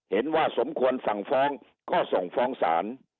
เห็นว่าสมควรสั่งฟ้องก็ส่งฟ้องศาล